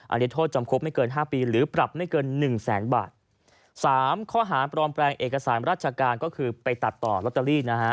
อันนี้โทษจำคุกไม่เกินห้าปีหรือปรับไม่เกินหนึ่งแสนบาทสามข้อหาปลอมแปลงเอกสารราชการก็คือไปตัดต่อลอตเตอรี่นะฮะ